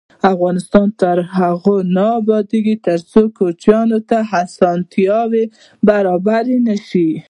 افغانستان تر هغو نه ابادیږي، ترڅو کوچیانو ته اسانتیاوې برابرې نشي.